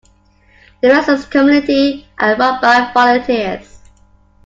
The Residents' Committee are run by volunteers.